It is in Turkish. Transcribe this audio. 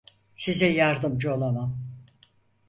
Size yardımcı olamam.